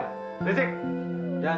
wanita kecil dia